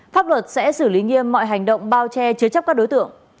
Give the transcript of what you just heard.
pháp luật sẽ xử lý nghiêm mọi hành động bao che chứa chấp các đối tượng